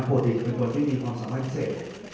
ปกติคุณควรไม่มีความสามารถเสร็จ